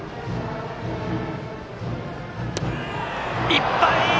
いっぱい！